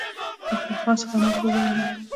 په خپل خاص کمال پوري اړه لري.